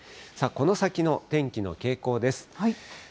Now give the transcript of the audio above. この先の天気の傾向です。